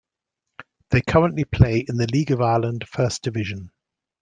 They currently play in the League of Ireland First Division.